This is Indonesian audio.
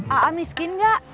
aa miskin enggak